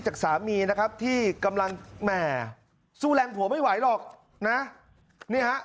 จากสามีนะครับที่กำลังแหม่สู้แรงผัวไม่ไหวหรอกนะนี่ฮะ